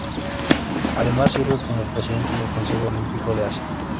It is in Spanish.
Además, sirve como presidente del Consejo Olímpico de Asia.